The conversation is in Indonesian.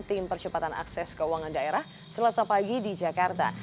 tim percepatan akses keuangan daerah selasa pagi di jakarta